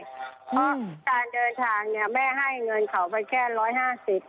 เพราะการเดินทางเนี่ยแม่ให้เงินเขาไปแค่๑๕๐บาท